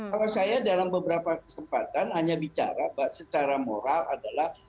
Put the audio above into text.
kalau saya dalam beberapa kesempatan hanya bicara secara moral adalah